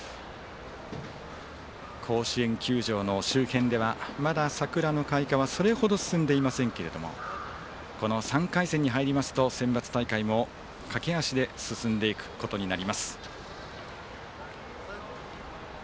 甲子園球場の周辺ではまだ桜の開花はそれほど進んでいませんけれどもこの３回戦に入りますとセンバツ大会も駆け足で進んでいくことになります。